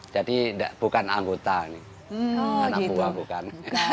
jadi bukan anggota nih anak buah bukan